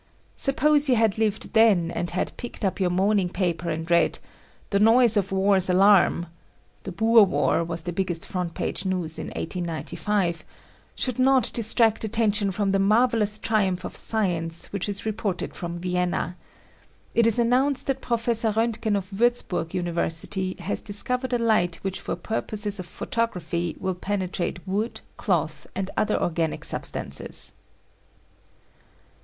Suppose you had lived then and had picked up your morning paper and read, "The noise of war's alarm (the Boer War was the biggest front page news in 1895) should not distract attention from the marvelous triumph of science which is reported from Vienna. It is announced that Professor Roentgen of Wiirzburg University has discovered a light which for purposes of photography will penetrate wood, cloth and other organic substances."